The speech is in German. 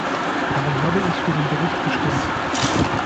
Darum habe ich für den Bericht gestimmt.